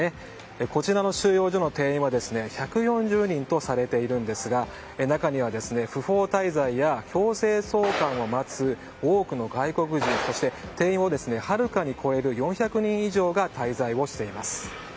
こちらの収容所の定員は１４０人とされているんですが中には不法滞在や強制送還を待つ多くの外国人など定員をはるかに超える４００人以上が滞在をしています。